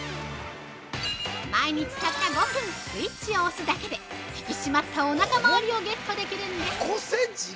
毎日たった５分スイッチを押すだけで引き締まったおなか回りをゲットできるんです。